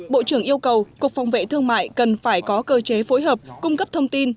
bộ trưởng yêu cầu cục phòng vệ thương mại cần phải có cơ chế phối hợp cung cấp thông tin